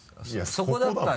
そこだった？